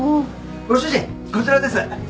ご主人こちらです。